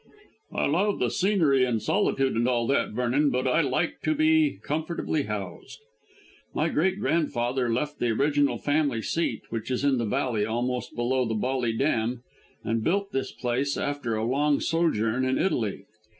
"I love the scenery and solitude and all that, Vernon, but I like to be comfortably housed. My great grand father left the original family seat, which is in the valley almost below the Bolly Dam, and built this place after a long sojourn in Italy.